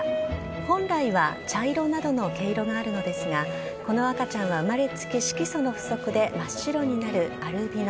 本来は茶色などの毛色があるのですが、この赤ちゃんは生まれつき、色素の不足で真っ白になるアルビノ。